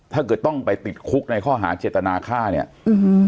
ถ้าเกิดต้องไปติดคุกในข้อหาเจตนาฆ่าเนี้ยอืม